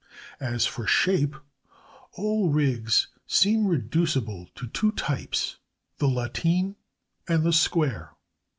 ] As for the shape, all rigs seem reducible to two types—the lateen and the square.